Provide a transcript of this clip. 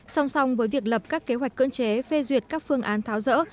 xong xong với việc lập các kế hoạch cưỡng chế phê duyệt các phương án tháo rỡ